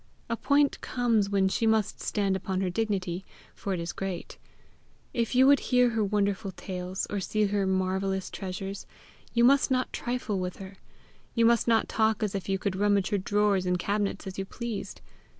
A point comes when she must stand upon her dignity, for it is great. If you would hear her wonderful tales, or see her marvellous treasures, you must not trifle with her; you must not talk as if you could rummage her drawers and cabinets as you pleased.